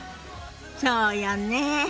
そうよね。